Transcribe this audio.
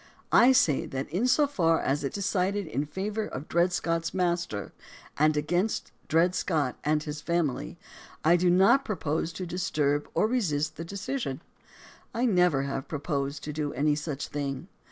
I say that in so far as it decided in favor of Dred Scott's master, and against Dred Scott and his family, I do not propose to dis turb or resist the decision. I never have proposed to do any such thing.